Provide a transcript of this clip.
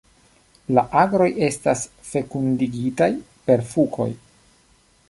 La agroj estas fekundigataj per fukoj.